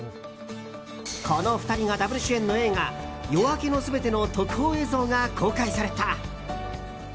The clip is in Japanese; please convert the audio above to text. この２人がダブル主演の映画「夜明けのすべて」の特報映像が公開された。